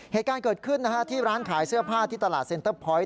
เหตุการณ์เกิดขึ้นที่ร้านขายเสื้อผ้าที่ตลาดเซ็นเตอร์พอยต